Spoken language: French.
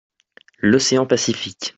L'Océan Pacifique.